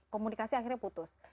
komunikasi akhirnya putus